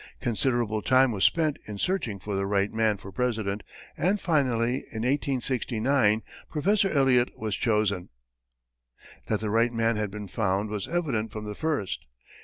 Considerable time was spent in searching for the right man for president and finally, in 1869, Prof. Eliot was chosen. That the right man had been found was evident from the first.